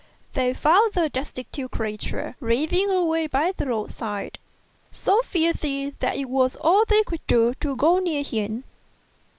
They found the destitute creature raving away by the road side, so filthy that it was all they could do to go near him.